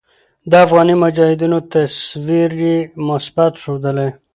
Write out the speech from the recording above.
د افغاني مجاهدينو تصوير ئې مثبت ښودلے